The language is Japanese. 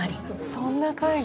そんな会が。